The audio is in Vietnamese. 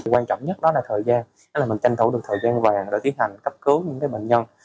quan trọng nhất đó là thời gian là mình tranh thủ được thời gian vàng để tiến hành cấp cứu những bệnh nhân